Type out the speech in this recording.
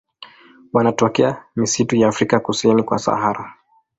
Wanatokea misitu ya Afrika kusini kwa Sahara.